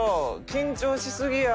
緊張しすぎや。